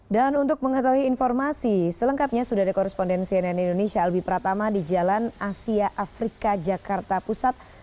dan untuk mengetahui informasi selengkapnya sudah ada koresponden cnn indonesia albi pratama di jalan asia afrika jakarta pusat